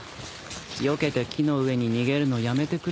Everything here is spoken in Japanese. よけて木の上に逃げるのやめてくれないかな。